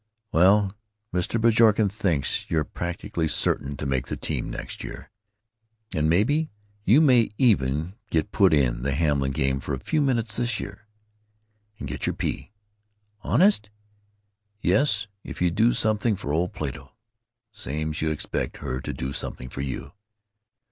"Well, Mr. Bjorken thinks you're practically certain to make the team next year, and maybe you may even get put in the Hamlin game for a few minutes this year, and get your P." "Honest?" "Yes, if you do something for old Plato, same 's you expect her to do something for you."